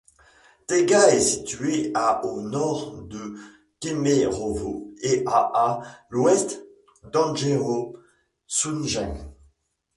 Taïga est située à au nord de Kemerovo et à à l'ouest d'Anjero-Soudjensk.